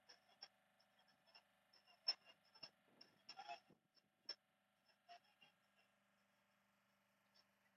Wasanii kutoka kila Kona ya africa hutamani kupata nafasi ya kushiriki Tamasha hio